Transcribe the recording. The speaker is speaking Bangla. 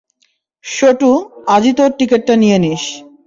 শুটু, আজই তোর টিকেটটা নিয়ে নিস।